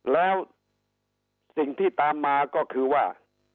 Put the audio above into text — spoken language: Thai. แล้วสิ่งที่ตามมาก็คือว่า